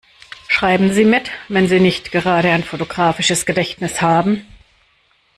Schreiben Sie mit, wenn Sie nicht gerade ein fotografisches Gedächtnis haben.